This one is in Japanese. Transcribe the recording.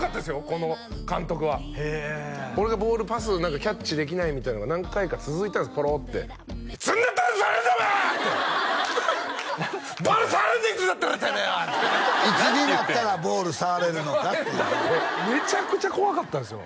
この監督は俺がボールパス何かキャッチできないみたいなのが何回か続いたんですポロって「いつになったら捕れるんだお前！」って「ボール触れるんだいつになったらてめえは！」って「いつになったらボール触れるのか」ってめちゃくちゃ怖かったんですよ